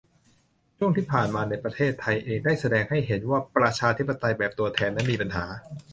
ช่วงที่ผ่านมาในประเทศไทยเอง ได้แสดงให้เห็นว่าประชาธิปไตยแบบตัวแทนนั้นมีปัญหา